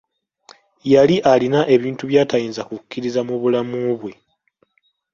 Yali alina ebintu by'atayinza kukkiriza mu bulamu bwe.